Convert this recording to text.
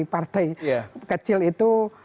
partai kecil itu